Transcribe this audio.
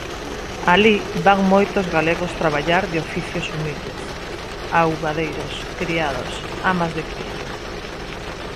Alí van moitos galegos traballar de oficios humildes: augadeiros, criados, amas de cría.